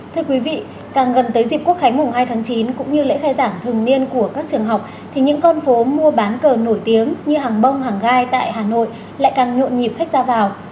thưa quý vị càng gần tới dịp quốc khánh mùng hai tháng chín cũng như lễ khai giảng thường niên của các trường học thì những con phố mua bán cờ nổi tiếng như hàng bông hàng gai tại hà nội lại càng nhộn nhịp khách ra vào